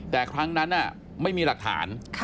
แต่ครั้งนั้นไม่มีหลักฐาน